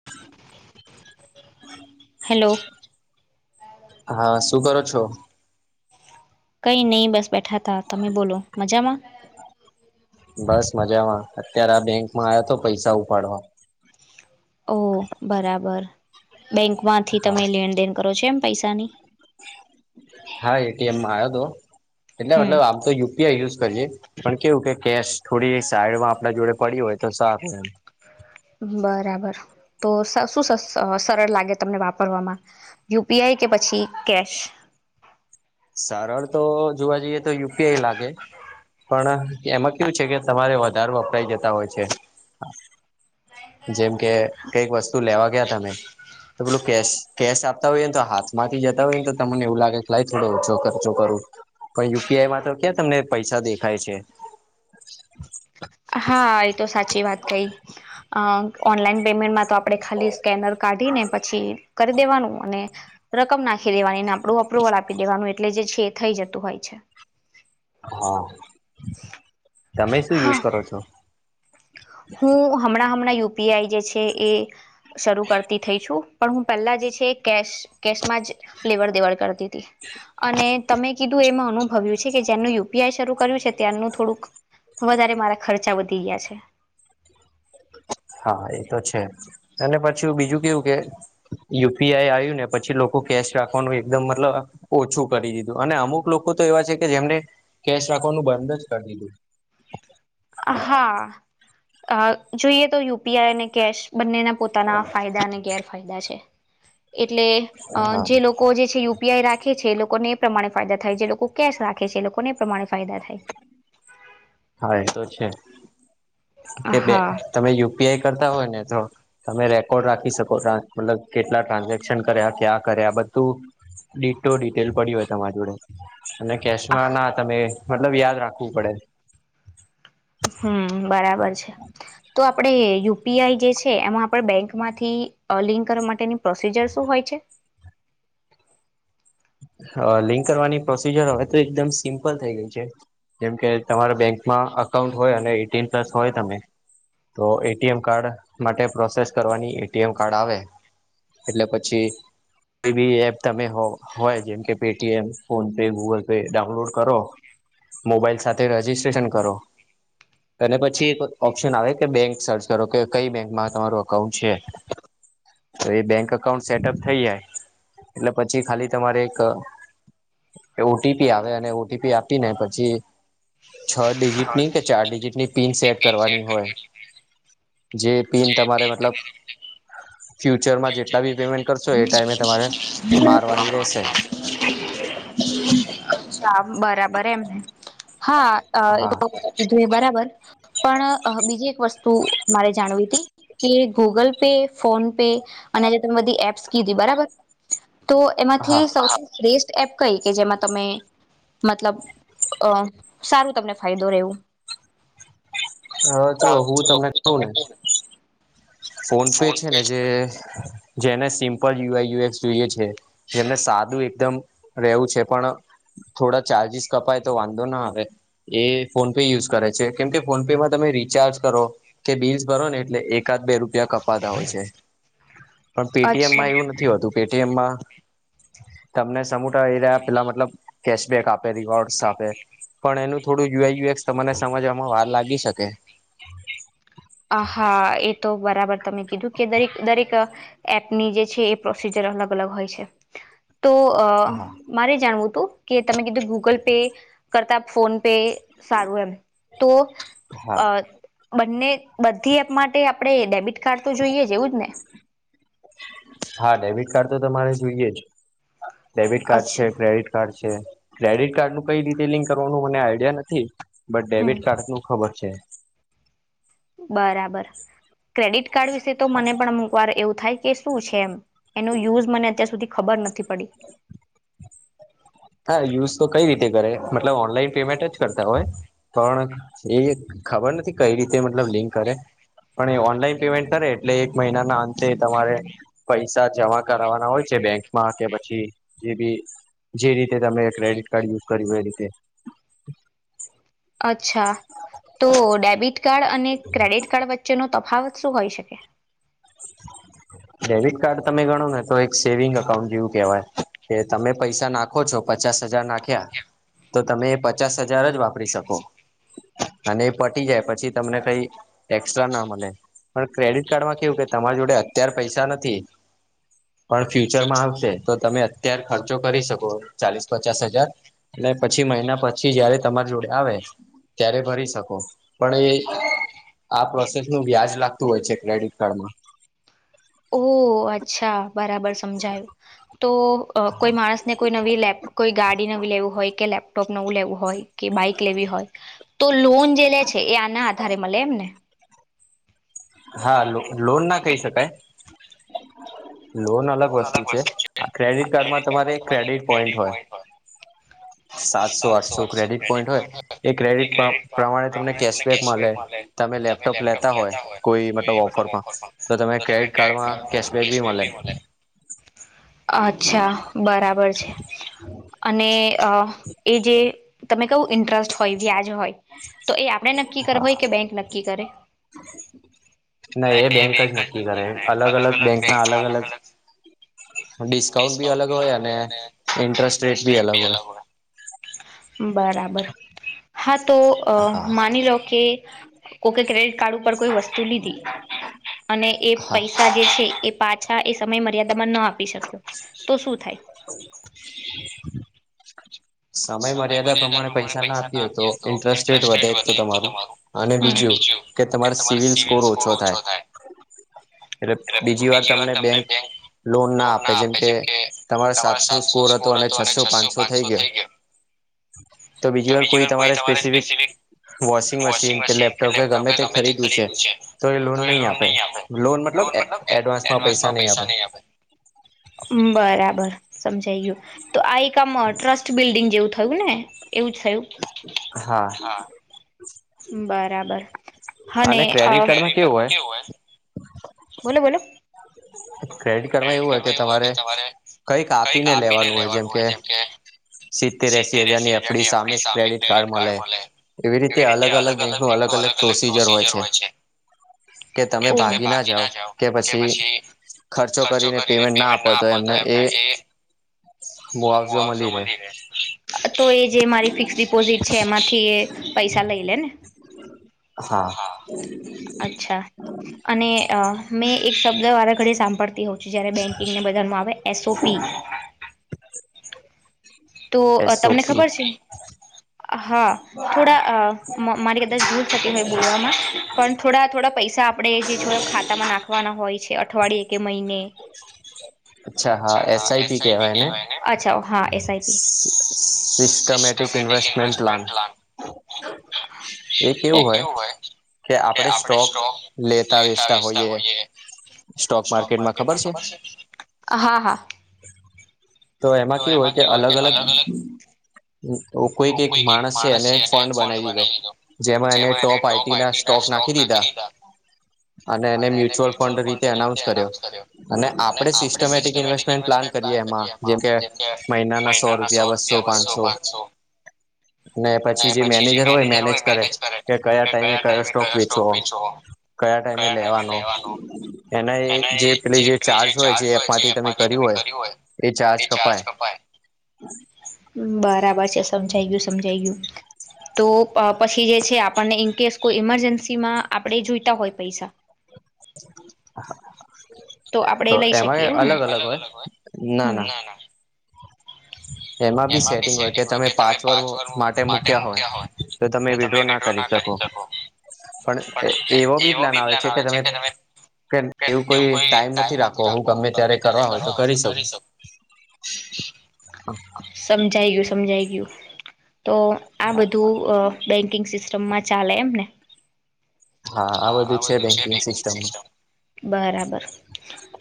[inaudible] Hello. હા શું કરો છો? કઈ નહી બસ બેઠા તા તમે બોલો મજામાં? બસ મજામાં અત્યારે આ બેંકમાં આય તો પૈસા ઉપાડવા ઓ બરાબર બેંકમાંથી હા તમે લેણદેન કરો છો એમ પૈસાની હા એટીએમમાં આયો તો એટલે હમ મતલબ આમ તો યુ પી યાય યુઝ કરીએ પણ કેવું કે કેશ થોડી સાઈડમાં આપણા જોડે પડી હોય તો સારું એમ બરાબર તો સ શું સ અ સરળ લાગે તમને વાપરવામાં યુ પી આઈ કે પછી કેશ સારળ તો જોવા જઈએ તો યુપીઆઈ લાગે પણ એમાં કેયુ છે, કે તમારે વધારે વપરાય જતા હોય છે. જેમ કે કઈક વસ્તુ લેવા ગયા તમે તો પેલું કેશ કેશ આપતા હોય ને તો હાથમાંથી જતા હોય ને તો તમને એવું લાગે થોડો ઓછો ખર્ચો કરું પણ યુપીઆઈમાં તો ક્યાં તમને પૈસા દેખાય છે. હા એ તો સાચી વાત કઈ અ ઓનલાઈન પેમેન્ટમાં તો આપણે ખાલી સ્કેનર કાઢીને પછી કરી દેવાનું અને રકમ નાખી દેવાની ને આપણું અપ્રુવલ આપી દેવાનું એટલે જે છે, એ થઈ જતું હોય છે. હા તમે શું હા યુઝ કરો છો? હું હમણા હમણા યુ પી આઈ જે છે, એ શરૂ કરતી થઈ છું પણ હું પહેલા જે છે, કેશ કેશમાં જ લેવડ દેવડ કરતી અને તમે કીધું એમાં અનુ ભવ્યું છે, કે જેનું યુ પી આઈ શરૂ કર્યું છે, ત્યાંનું થોડુંક વધારે મારા ખર્ચા વધી ગયા છે. હા એ તો છે, અને પછી બીજું કેવું કે યુ પી આઈ આયું ને પછી લોકો કેશ રાખવાનું એકદમ મતલબ ઓછું કરી દીધું અને અમુક લોકો તો એવા છે, કે જેમણે કેશ રાખવાનું બંધ જ કરી દીધું [inaudible] હા. અ જોઈએ તો યુ પી આઈ અને કેશ બંનેના પોતાના ફાયદા અને ગેરફાયદા છે. [inaudible] એટલે અ હા. જે લો કો જે છે યુપીઆઈ રાખે છે, એ લોકોને એ પ્રમાણે ફાયદા થાય જે લોકો કેશ રાખે છે, એ લોકોને એ પ્રમાણે ફાયદા થાય હા એ તો છે. કે બે હા તમે યુ પી આઈ કરતા હોય ને તો તમે રેકોર્ડ રાખી શકો મતલબ કેટલા ટ્રાન્ઝેક્શન કર્યા ક્યાં કર્યા બધું ડિટો ડિટેલ પડી હોય તમારી જોડે અને કેશમાં ના તમે મતલબ યાદ રાખવું પડે હમ બરાબર છે, તો આપડે યુ પી આઈ જે છે, એમાં આપણે બેંકમાંથી અ લિંક કરવા માટેની પ્રોસીજર શું હોય છે? હ લિંક કરવાની પ્રોસીજર હવે તો એકદમ સિમ્પલ થઈ ગઈ છે, જેમકે તમાર બેંકમાં અકાઉન્ટ હોય અને એટીન પ્લસ હોય તમે તો એટીએમ કાર્ડ માટે પ્રોસેસ કરવાની એ ટી એમ કાર્ડ આવે એટલે પછી કોઈ બી એપ તમે હો હોય જેમ કે Paytm PhonePe Google pay download કરો મોબાઈલ સાથે રજિસ્ટ્રેશન કરો અને પછી એક ઓપ્શન આવે કે બેંક સર્ચ કરો કે કઈ બેંકમાં તમારું અકાઉન્ટ છે. તો એ બેંક અકાઉન્ટ સેટઅપ થઈ જાય એટલે પછી ખાલી તમારે એક ઓટીપી આવે અને ઓટીપી આપી ને પછી છ ડિજિટ ની કે ચાર ડિજિટની પીન સેટ કરવાની હોય જે પીન તમારે મતલબ ફ્યુચરમાં જેટલા બી પેમેન્ટ કરશો એ ટાઈમે તમારે મારવાની રહેશે. બરાબર એમ હા હા જો બરાબર. પણ બીજી એક વસ્તુ મારે જાણવી હતી. કે ગૂગલ પે ફોન પે અને આજે તમે બધી એપ્સ કીધી બરાબર. તો હા એમાંથી સૌથી બેસ્ટ એપ કઈ કે જેમાં તમે મતલબ અ સારું તમને ફાયદો રહેવું. હા જો હું તમને કહું ને. ફોન પે છે ને જે જેને સિમ્પલ યુઆઈયુએસ જોઈએ છે જેમને સાદું એકદમ રહેવું છે પણ થોડા ચાર્જિસ કપાય તો વાંધો ના આવે એ ફોન પે યુઝ કરે છે કેમ કે ફોન પેમાં તમે રિચાર્જ કરો કે બિલ્સ ભરો ને એટલે એકાદ બે રૂપિયા કપાતા હોય છે પણ અચ્છા પેટીએમમાં એવું નથી હોતું પેટીએમમાં તમને સમૂ ટ રહ્યા પેલા મતલબ કેશબેક આપે રીવાોર્ડસ આપે પણ એનું થોડું યુએયુએક્સ તને સમજવામાં વાર લાગી શકે. આ હા એ તો બરાબર. તમે કીધું કે દરેક દરેક એપની જે છે એ પ્રોસીજર અલગ અલગ હોય છે. તો હા મારે જાણવું હતું કે તમે કીધું ગૂગલ પે કરતા ફોન પે સારું એમ તો હા અ બંને બધી એપ માટે આપડણે ડેબિટ કાર્ડ તો જોઈએ છે એવું જ ને? હા ડેબિટ કાર્ડ તો તમારે જોઈએ જ ડેબિટ કાર્ડ છે ક્રેડિટ ક્રેડિટ કાર્ડ છે ક્રેડિટ કાર્ડ નું કઈ રીતે લિંક કરવાનું મને આઈડિયા નથી. બટ ડેવિટ હમ કાર્ડ નું ખબર છે. બરાબર ક્રેડિટ કાર્ડ વિશે તો મને પણ વાર એવું થાય કે શું છે એમ એનો યુઝ મને અત્યાર સુધી ખબર નથી પડી. હા યુઝ તો કઈ રીતે કરે મતલબ ઓનલાઈન પેમેન્ટ જ કરતા હોય. પણ એ ખબર નથી કઈ રીતે મતલબ લિંક કરે. પણ એ ઓનલાઈન પેમેન્ટ કરે એટલે એક મહિનાના અંતે તમારે પૈસા જમા કરાવવાના હોય છે બેંકમાં કે પછી જે બી જે રી કે તમે ક્રેડિટ કાર્ડ યુઝ કર્યું એ રીતે. અચ્છા તો ડેબિટ કાર્ડ અને ક્રેડિટ કાર્ડ વચ્ચેનો તફાવત શું હોઈ શકે. ડેબિટ કાર્ડ તમે ગણો ને તો એક સેવિંગ એકકાઉન્ટ જેવું કેહેવાય. કે તમે પૈસા નાખો છો પચાસ હજાર નાખ્યા. તો તમે એ પચાસ હજાર જ વાપરી શકો. અને એ પટી જાય પછી તમને કઈ એક્સ્ટ્રા ના મળે પણ ક્રેડિટ કાર્ડ માં કેવું કે તમારી જોડે અત્યાર પૈસા નથી. પણ ફ્યુચરમાં આવશે તો તમે અત્યાર ખર્ચો કરી શકો ચાલીસ પચાસ હજાર એટ પછી મહિના પછી જયારે તમારી જોડે આવે. ત્યારે ભરી શકો, પણ એ આ પ્રોસેસ નું વ્યાજ લાગતું હોય છે. ક્રેડિટ કાર્ડમાં. ઓ અચ્છા બરાબર સમજાયું તો કોઈ માણસને કોઈ નવી લેપ કોઈ ગાડી નવી લેવું હોય કે લેપટોપ નવું લેવું હોય કે બાઈક લેવી હોય તો લોન જે લે છે એ આના આધારે મળે એમને? હા લોન ના કહી શકાય લોન અલગ વસ્તુ છે આ ક્રેડિટ કાર્ડમાં તમારે ક્રેડિટ પોઈન્ટ હોય. સાતસો સાત આઠસો ક્રેડિટ પોઈન્ટ હોય એ ક્રેડિટ પ્રમાણે તમને કેશબેક મળે તમે લેપટોપ લેતા હોય કોઈ મતલબ ઓફરમાં તો તમે ક્રેડિટ કાર્ડમાં કેશબેક બી મલે અચ્છા બરાબર છે અને અ એ જે તમે કવું ઇન્ટરેસ્ટ હોય વ્યાજ હોય તો એ આપણે નક્કી કર હા હોય કે બેંક નક્કી કરે? ના એ બેંક જ નથી કરે અલગ અલગ બેંકમાં અલગ અલગ ડીસ ડિસ્કાઉન્ટ ભી અલગ હોય અને ઇન્ટરેસ્ટ રેટ ભી અલગ હોય બરાબર હા તો અ હા માની લો કે ઓકે ક્રેડિટ કાર્ડ ઉપર કોઈ વસ્તુ લીધી અને એ હા પૈસા જે છે એ પાછા એ સમય મર્યાદામાં ન આપી શક્યો તો શું થાય? [inaudible] સમય મર્યાદા પ્રમાણે પૈસા ના આપીએ તો ઇન્ટરેસ્ટ રેટ વધે એક તો તમારું અને બીજું કે તમારો સિવિલ સ્કોર ઓછો થાય એટલે બીજી વાર તમને બેંક લોન ના આપે જેમ કે તમારો સાતસો સ્કોર હતો અને છસો પાંચસો થઈ ગયો તો બીજી વાર કોઈ તમારે સ્પેસિફિક વોશિંગ મશીન કે લેપટોપ કે ગમે તે ખરીદવું છે તો એ લોન નહીં આપે લોન મતલબ એડવાન્સ માં પૈસા નહીં આપે બરાબર સમજાઈ ગયું તો આ એક આમ ટ્રસ્ટ બિલ્ડિંગ જેવું થયું ને એવું થયું હા બરાબર હને અને અ ક્રેડિટ કાર્ડમાં કેવું હોય બોલો બોલો ક્રેડિટ કાર્ડમાં એવું હોય કે તમારે કઈક આપીને લેવાનું હોય જેમ કે સિત્તેર એસી હજારની એફડી સામે ક્રેડિટ કાર્ડ મલે એવી રીતે અલગ અલગ બેંક નું અલગ અલગ પ્રોસીજર હોય છે. કે તમે ભાગી ના જાવ કે પછી ખર્ચો કરીને પેમેન્ટ ના આપો તો એમને એ મુઆવજો મળી રે [inaudible] તો એ જે મારી ફિક્સ ડિપોઝિટ છે એમાંથી એ પૈસા લઈ લે ને હા અચ્છા અને મેં એક શબ્દ વા રા ઘડી સાંભળતી હો છુ જયારે બેંકિંગને બદલમાં આવે એસ ઓ પી તો તમને એસઓપી ખબર છે? હા થોડા અ મારી કદાચ ભૂલ થતી હોય બોલવામાં પણ થોડા થોડા પૈસા આપ પડે જે છ ખાતામાં નાખવાના હોય છે અઠવાડિયે કે મહિને, અચ્છા હા છા એસઆઈપી કહેવાય ને હા S I P systematic systematic plan investment લા એ કેવું હોય? કે આપડે સ્ટોક લેતા વેચતા હોઈએ સ્ટોક માર્કેટમાં ખબર છે? હા હા તો એમાં કેવું હોય કે અલગ અલગ કોઈક એક માણસ છે એને ફંડ બનાવી દીધો જેમાં એને ટોપ આઈ ટી ના સ્ટોક નાખી દીધા અને એને મ્યુચ્યુઅલ ફંડ રીતે એનાઉન્સ એના કર્યો અને આપડે આપણે સિસ્ટમેટિક ઇન્વેસ્ટમેન્ટ પ્લાન કરીએ એમાં જેમ કે મહિનાના સો રૂપિયા બસો પાંચસો ને પછી જે મેનેજર હોય મેનેજ કરે કે કયા ટાઈમે કયો સ્ટોક વેચવો કયા ટાઈમે લેવાનો એના એ જે પે જે ચાર્જ હોય જે એપમાંથી તમે જે તમે કર્યું હોય. એ ચાર્જ કપાય, બરાબર છે. સમજાઈ ગયું, સમજાઈ ગયું. તો પ પછી જે છે, આપણને ઇનકેસ કોઈ ઈમરજન્સી માં આપણે જોઈતા હોય પૈસા તો આપણે લઈ શકીએ એમાંયે એવું ને અલગ અલગ હોય ના હમ ના. [unintelligible] એમાં બી સેટિંગ હોય કે તમે પાંચ વર્ષો માટે મૂક્યા હોય, તો તમે વિડ્રો ના કરી શકો‌. પણ એ એવો બી પ્લાન આવે છે કે તમે કેમ એવું કોઈ ટાઈમ નથી રાખવો, હું ગમે ત્યારે કરવા હોય તો કરી શકું. [unintelligible] [unintelligible] સમજાઈ ગયું, સમજાઈ ગયું. તો આ બધું અ બેન્કિંગ સિસ્ટમમાં ચાલે એમ ને. હા આ બધું છે બેન્કિંગ સિસ્ટમમાં સિસ્ટમ બરાબર.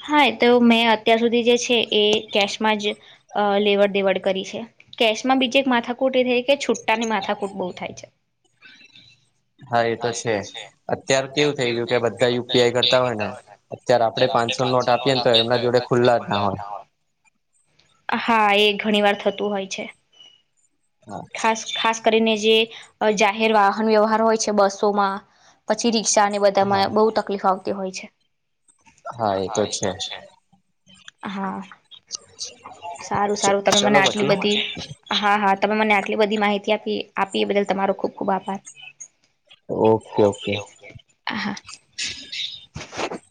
હા, તો મેં અત્યાર સુધી જે છે એ કેશમાં જ અ લેવડ-દેવડ કરી છે કેશમાં, બીજે એક માથાકૂટ એ જ એક‌. કે છુટ્ટાની માથાકૂટ બહુ થાય છે.. હા, એ તો છે. અત્યારે કેવું થઈ ગયું કે, બધા યુપીઆઈ કરતા હોય ને, અત્યારે આપડે પાંચસો નોટ આપીએને તો એમના જોડે ખુલ્લા જ ના હોય. હા, એ ઘણી વાર થતું હોય છે. હા. ખાસ ખાસ કરીને, જે એ જાહેર વાહન વ્યવહાર હોય છે, બસોમાં પછી રિક્ષા ને હા બધામાં બહુ તકલીફ આવતી હોય છે. હા, એ તો છે. હા, સારું સારું. તમે ચલો મને આટલી પછી બધી હા હા, તમે મને આટલી બધી માહિતી આપી આપી, એ બદલ તમારો ખુબ ખૂબ આભાર. Okay, okay. આહા. [unintelligible]